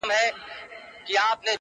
نور خپلي ويني ته شعرونه ليكو,